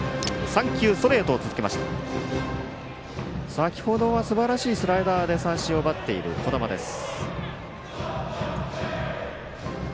先ほどはすばらしいスライダーで三振を奪っている小玉です。